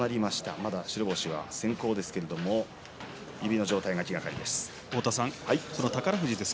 まだ白星が先行していますが指の状態が気がかりです。